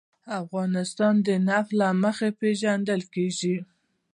افغانستان د نفت له مخې پېژندل کېږي.